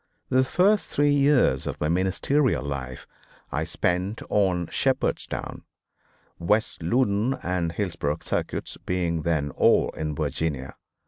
The first three years of my ministerial life I spent on Shepherdstown, West Loudon and Hillsboro Circuits, being then all in Virginia.